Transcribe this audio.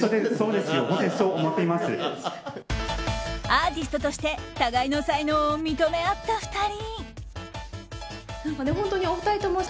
アーティストとして互いの才能を認め合った２人。